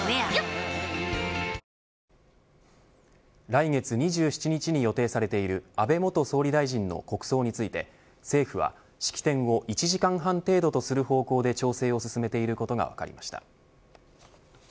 来月２７日に予定されている安倍元総理の国葬について政府は式典を１時間半程度とする方向で調整を進めていることが分かりました。